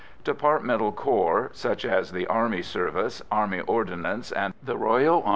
Departmental corps, such as the Army Service, Army Ordnance, and R.A.M.